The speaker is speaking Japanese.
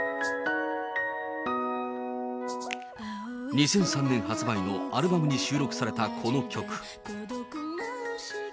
２００３年発売のアルバムに収録されたこの曲。